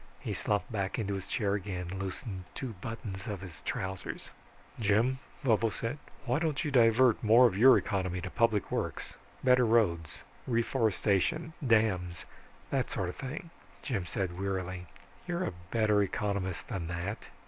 He slumped back into his chair again, loosened two buttons of his trousers. "Jim," Vovo said, "why don't you divert more of your economy to public works, better roads, reforestation, dams that sort of thing." Jim said wearily, "You're a better economist than that.